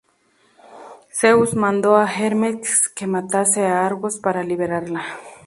Zeus mandó a Hermes que matase a Argos para liberarla.